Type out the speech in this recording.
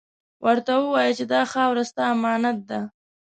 ورته ووایه چې دا خاوره ، ستا امانت ده.